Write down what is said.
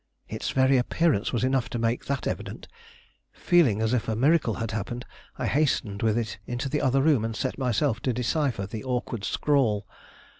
its very appearance was enough to make that evident! Feeling as if a miracle had happened, I hastened with it into the other room, and set myself to decipher the awkward scrawl.